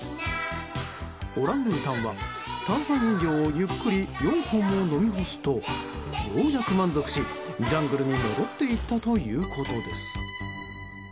オランウータンは炭酸飲料をゆっくり４本も飲み干すとようやく満足し、ジャングルに戻っていったということです。